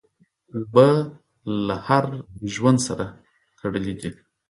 اوبه له هر ژوند سره تړلي دي.